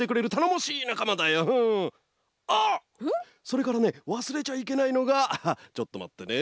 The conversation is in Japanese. それからねわすれちゃいけないのがちょっとまってね。